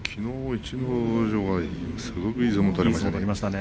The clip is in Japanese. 逸ノ城はきのういい相撲を取りましたね。